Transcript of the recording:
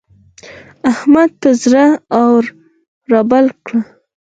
احمد پر زړه اور رابل کړ.